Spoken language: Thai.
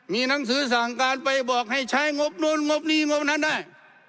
มีหนังสือสั่งการไปบอกให้ใช้งบนู้นงบนี้งบนั้นได้